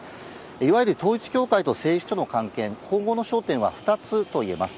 いわゆる統一教会と政治との関係、今後の焦点は２つといえます。